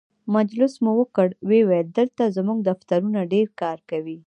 مجلس مو وکړ، ویل یې دلته زموږ دفترونه ډېر کار کوي.